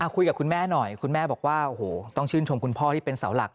คุยกับคุณแม่หน่อยคุณแม่บอกว่าโอ้โหต้องชื่นชมคุณพ่อที่เป็นเสาหลัก